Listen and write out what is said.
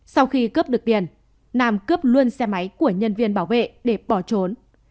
sau khi cướp được tiền nam cướp luôn xe máy của nhân viên bảo vệ để bỏ trốn